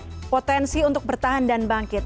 garap semua potensi untuk bertahan dan bangkit